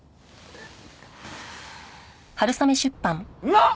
なっ！？